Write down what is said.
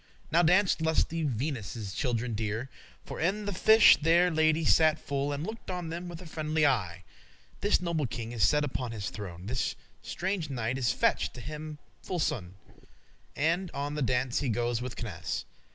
Now danced lusty Venus' children dear: For in the Fish* their lady sat full *Pisces And looked on them with a friendly eye. <21> This noble king is set upon his throne; This strange knight is fetched to him full sone,* *soon And on the dance he goes with Canace.